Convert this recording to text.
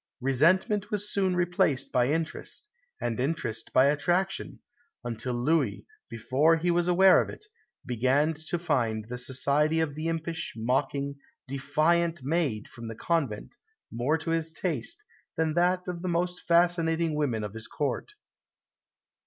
Resentment was soon replaced by interest, and interest by attraction; until Louis, before he was aware of it, began to find the society of the impish, mocking, defiant maid from the convent more to his taste than that of the most fascinating women of his Court.